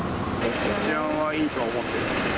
治安はいいとは思ってるんですけど。